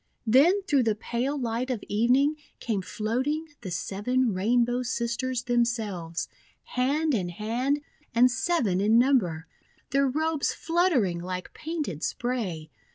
Then through the pale light of evening came floating the Seven Rainbow Sisters themselves, hand in hand and seven in number, their robes fluttering like painted spray.